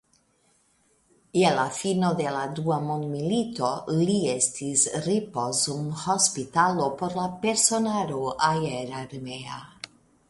Je la fino de la Dua mondmilito ĝi estis ripozumhospitalo por la personaro aerarmea.